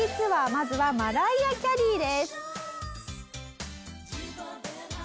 まずはマライア・キャリーです。